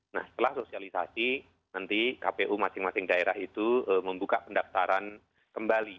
nah setelah sosialisasi nanti kpu masing masing daerah itu membuka pendaftaran kembali